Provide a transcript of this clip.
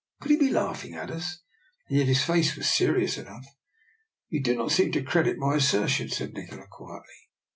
Could he be laughing at us? And yet his face was serious enough. " You do not seem to credit my asser tion," said Nikola, quietly.